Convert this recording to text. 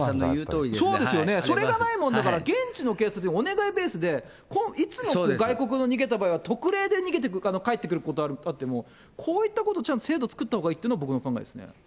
そうですよね、それがないもんだから、現地の警察にお願いベースで、いつも外国に逃げた場合は特例でかえってくることがあっても、こういったことをちゃんと制度作ったほうがいいと僕は思いますね。